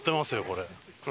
これ。